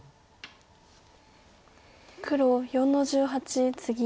黒４の十八ツギ。